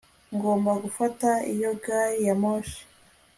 ngomba gufata iyo gari ya moshi